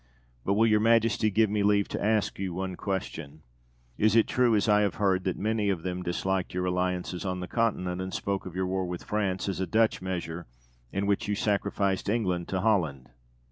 But will your Majesty give me leave to ask you one question? Is it true, as I have heard, that many of them disliked your alliances on the Continent and spoke of your war with France as a Dutch measure, in which you sacrificed England to Holland?